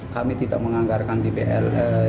kami tidak menganggarkan dpl